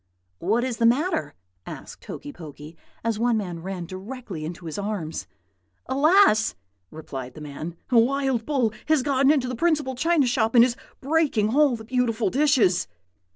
"'What is the matter?' asked Hokey Pokey, as one man ran directly into his arms. "'Alas!' replied the man. 'A wild bull has got into the principal china shop, and is breaking all the beautiful dishes.'